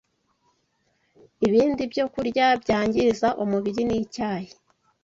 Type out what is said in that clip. ibindi byokurya byangiza umubiri n’icyayi